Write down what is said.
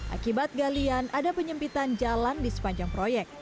akibat galian ada penyempitan jalan di sepanjang proyek